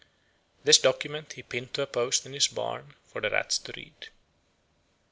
This document he pinned to a post in his barn for the rats to read.